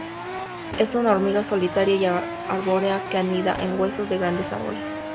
Es una hormiga solitaria y arbórea que anida en huecos de grandes árboles.